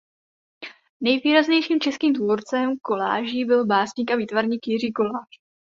Nejvýraznějším českým tvůrcem koláží byl básník a výtvarník Jiří Kolář.